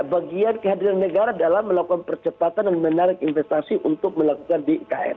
bagian kehadiran negara dalam melakukan percepatan dan menarik investasi untuk melakukan di ikn